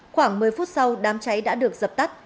khoảng một mươi phút sau đám cháy đã được dập tắt